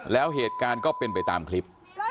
แล้วเหตุการณ์ก็เป็นไปตามคลิป